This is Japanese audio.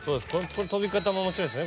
飛び方も面白いですね